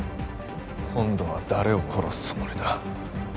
今度は誰を殺すつもりだ？